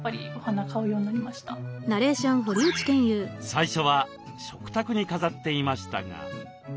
最初は食卓に飾っていましたが。